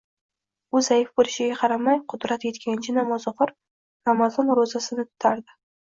U zaif bo‘lishiga qaramay, qudrati yetganicha namoz o‘qir, ramazon ro‘zasini tutardi.